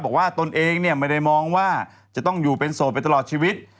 ตนเองเนี่ยไม่ได้มองว่าจะต้องอยู่เป็นโสดไปตลอดชีวิต